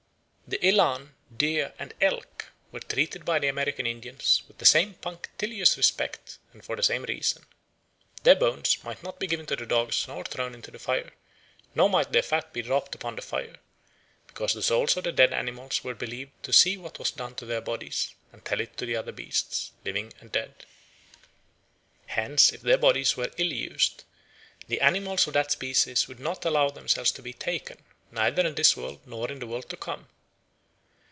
The elan, deer, and elk were treated by the American Indians with the same punctilious respect, and for the same reason. Their bones might not be given to the dogs nor thrown into the fire, nor might their fat be dropped upon the fire, because the souls of the dead animals were believed to see what was done to their bodies and to tell it to the other beasts, living and dead. Hence, if their bodies were illused, the animals of that species would not allow themselves to be taken, neither in this world nor in the world to come.